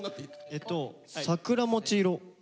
えっと桜餅色。